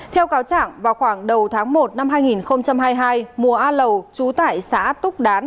theo cáo chẳng vào khoảng đầu tháng một năm hai nghìn hai mươi hai mùa a lầu chú tải xã túc đán